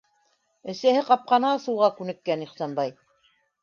Әсәһе ҡапҡаны асыуға күнеккән Ихсанбай.